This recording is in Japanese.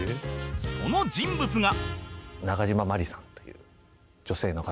その人物が